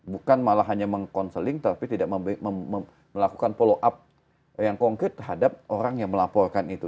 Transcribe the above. bukan malah hanya meng counseling tapi tidak melakukan follow up yang konkret terhadap orang yang melaporkan itu